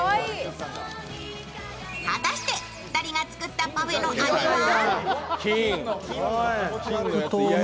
果たして２人が作ったパフェの味は？